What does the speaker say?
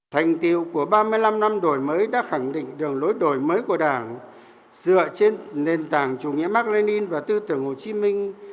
thành tiêu của ba mươi năm năm đổi mới đã khẳng định đường lối đổi mới của đảng dựa trên nền tảng chủ nghĩa mạc lê nín và tư tưởng hồ chí minh